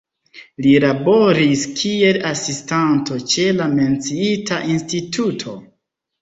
Li laboris kiel asistanto ĉe la menciita instituto.